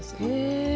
へえ。